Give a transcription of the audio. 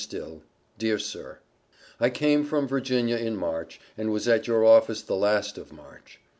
STILL Dear Sir: I came from Virginia in March, and was at your office the last of March.